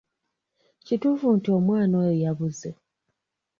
Kituufu nti omwana oyo yabuze?